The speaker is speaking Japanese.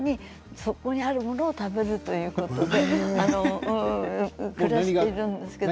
そこにあるものを食べるということで暮らしているんですけど。